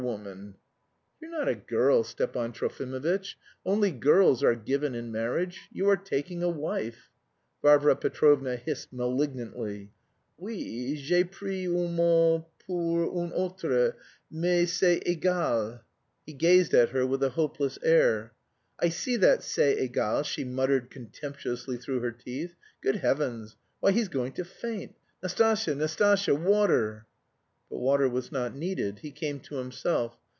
woman." "You're not a girl, Stepan Trofimovitch. Only girls are given in marriage. You are taking a wife," Varvara Petrovna hissed malignantly. "Oui, j'ai pris un mot pour un autre. Mais c'est égal." He gazed at her with a hopeless air. "I see that c'est égal," she muttered contemptuously through her teeth. "Good heavens! Why he's going to faint. Nastasya, Nastasya, water!" But water was not needed. He came to himself.